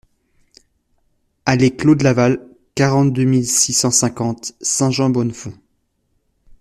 Allée Claude Laval, quarante-deux mille six cent cinquante Saint-Jean-Bonnefonds